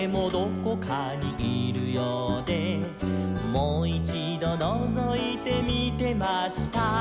「もいちどのぞいてみてました」